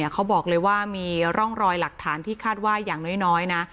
เขาบอกเลยว่ามีร่องรอยหลักฐานที่คาดว่าอย่างน้อยนะ